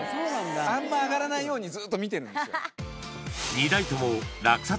あんま上がらないようにずっと見てるんですよ。